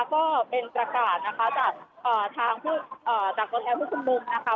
ก็เป็นประกาศนะคะจากกฎแทนพฤษุนุมนะคะ